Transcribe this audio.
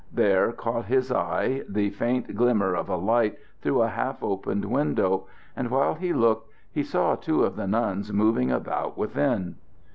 There caught his eye the faint glimmer of a light through a half opened window, and while he looked he saw two of the nuns moving about within.